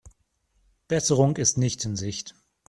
Besserung ist nicht in Sicht.